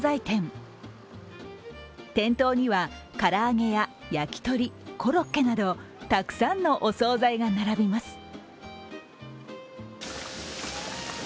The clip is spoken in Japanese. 店頭には唐揚げや焼鳥、コロッケなどたくさんのお総菜が並びます。